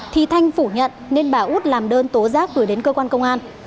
thì thanh phủ nhận nên bà út làm đơn tố giác gửi đến cơ quan công an